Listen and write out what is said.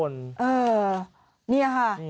นี่ค่ะ